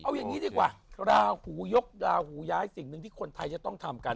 เอาอย่างนี้ดีกว่าราหูยกราหูย้ายสิ่งหนึ่งที่คนไทยจะต้องทำกัน